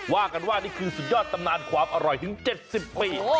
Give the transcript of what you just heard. ว่ากันว่านี่คือสุดยอดตำนานความอร่อยถึง๗๐ปี